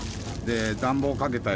暖房かけたり